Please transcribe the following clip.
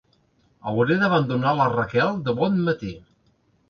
Hauré d'abandonar la Raquel de bon matí.